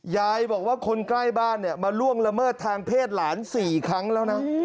ยายบอกว่าคนใกล้บ้านเนี่ยมาล่วงละเมิดทางเพศหลาน๔ครั้งแล้วนะ